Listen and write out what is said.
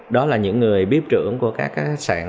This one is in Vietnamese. đó là những người bếp trưởng của các sạn